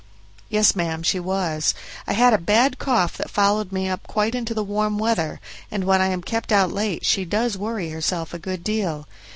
"Yes, ma'am, she was; I had a bad cough that followed me up quite into the warm weather, and when I am kept out late she does worry herself a good deal.